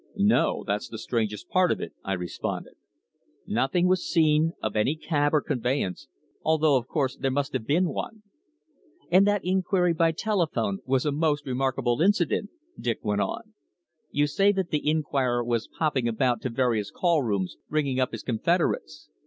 "No. That's the strangest part of it," I responded. "Nothing was seen of any cab or conveyance, although, of course, there must have been one." "And that inquiry by telephone was a remarkable incident," Dick went on. "You say that the inquirer was popping about to various call rooms ringing up his confederates.